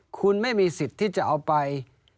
คุณไม่มีสิทธิ์ที่จะเอาไป